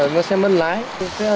nguy hiểm như thế nào ạ